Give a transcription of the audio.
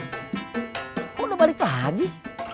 kok udah balik lagi